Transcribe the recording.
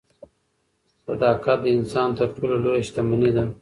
صداقت د انسان تر ټولو لویه شتمني ده.